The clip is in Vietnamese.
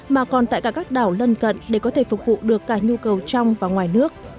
mà còn tại cả các đảo lân cận để có thể phục vụ được cả nhu cầu trong và ngoài nước